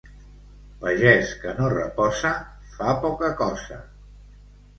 Pagès que no reposa fa poca cosa.